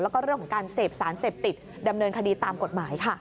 แล้วก็เรื่องของการเสพสารเสพติดดำเนินคดีตามกฎหมายค่ะ